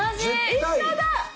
一緒だ！